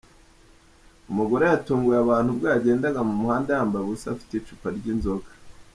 Umugore yatunguye abantu ubwo yagendaga mu muhanda yambaye ubusa afite icupa ry’inzoga.